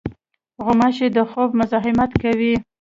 غوماشې د خوب مزاحمت کوي.